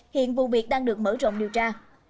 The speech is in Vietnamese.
hiện vụ việc đang được mở rộng điều tra